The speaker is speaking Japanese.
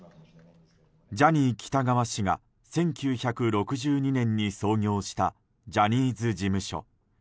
ジャニー喜多川氏が１９６２年に創業したジャニーズ事務所。